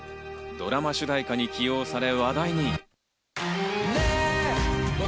ドラマ主題歌に起用され話題に。